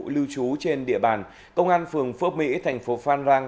lưu trú trên địa bàn công an phường phước mỹ thành phố phan rang